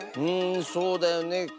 うんそうだよね。